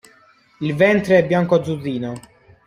Il ventre è bianco-azzurrino.